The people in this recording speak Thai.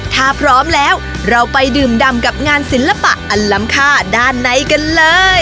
ถ้าพร้อมแล้วเราไปดื่มดำกับงานศิลปะอันล้ำค่าด้านในกันเลย